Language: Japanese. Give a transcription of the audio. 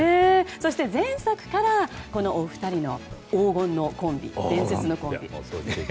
そして、前作からこのお二人の黄金コンビ伝説のコンビ。